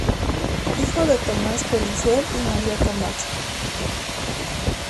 Hijo de Tomás Pellicer y María Camacho.